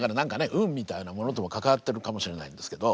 運みたいなものとも関わってるかもしれないんですけど。